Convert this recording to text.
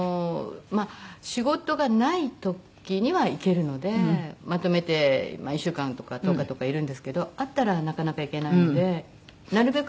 仕事がない時には行けるのでまとめて１週間とか１０日とかいるんですけどあったらなかなか行けないのでなるべく